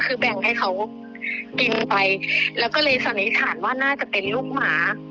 คือแบ่งให้เขากินไปแล้วก็เลยสันนิษฐานว่าน่าจะเป็นลูกหมา